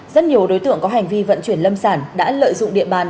rất nhiều đối tượng có hành vi vận chuyển lâm sản đã lợi dụng địa bàn